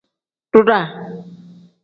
Duuraa.